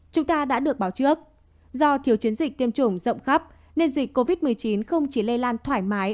chúng ta đã được báo trước do thiếu chiến dịch tiêm chủng rộng khắp nên dịch covid một mươi chín không chỉ lây lan thoải mái